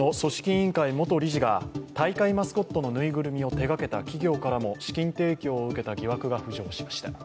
委員会元理事が大会マスコットのぬいぐるみを手がけた企業からも資金提供を受けた疑惑が浮上しました。